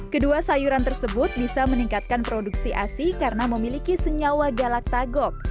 kedua sayuran tersebut bisa meningkatkan produksi asi karena memiliki senyawa galak tagok